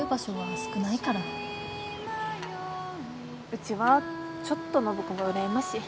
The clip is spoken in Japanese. うちはちょっと暢子が羨ましい。